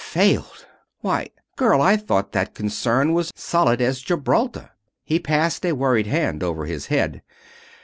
"Failed! Why, girl, I thought that concern was as solid as Gibraltar." He passed a worried hand over his head.